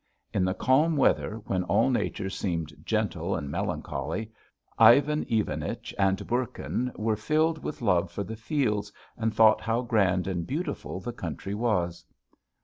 In the calm weather when all Nature seemed gentle and melancholy, Ivan Ivanich and Bourkin were filled with love for the fields and thought how grand and beautiful the country was.